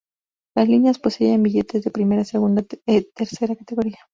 Las líneas poseían billetes de primera, segunda e tercera categoría.